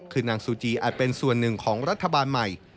คือนางซูจีอาจเป็นส่วนหนึ่งของรัฐบาลใหม่